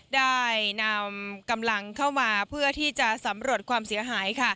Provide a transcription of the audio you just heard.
ได้นำกำลังเข้ามาเพื่อที่จะสำรวจความเสียหาย